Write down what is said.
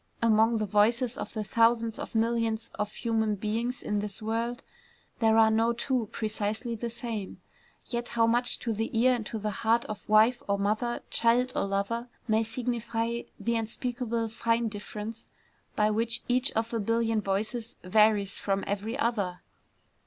Among the voices of the thousands of millions of human beings in this world, there are no two precisely the same; yet how much to the ear and to the heart of wife or mother, child or lover, may signify the unspeakably fine difference by which each of a billion voices varies from every other!